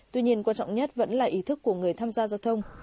tuy nhiên quan trọng nhất vẫn là ý thức của người tham gia giao thông